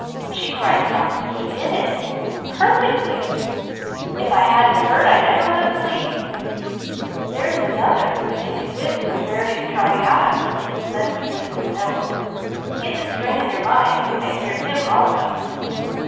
She cried softly: "He did it! Perfectly! If I hadn't heard I never would have believed." "There is another that can do this from Verdi's Traviata." Leslie whistled the notes. "We may hear him also."